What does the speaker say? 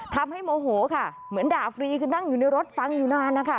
โมโหค่ะเหมือนด่าฟรีคือนั่งอยู่ในรถฟังอยู่นานนะคะ